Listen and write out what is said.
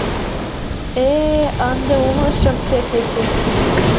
— Э-э, ынде умылышым, хе-хе-хе!..